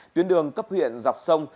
tuyến đường cấp huyện dọc sông